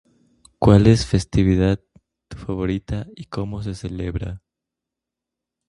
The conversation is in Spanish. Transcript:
¿Cuál es tu festividad favorita y cómo se celebra?